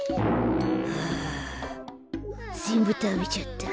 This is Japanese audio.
あぜんぶたべちゃった。